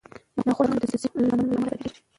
ناخوښ کارونه د ځینو لاملونو له امله ترسره کېږي.